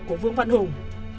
của vương văn hùng